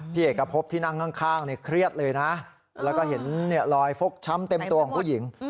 เอกพบที่นั่งข้างเครียดเลยนะแล้วก็เห็นรอยฟกช้ำเต็มตัวของผู้หญิง